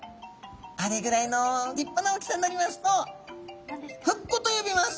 あれぐらいの立派な大きさになりますとフッコと呼びます。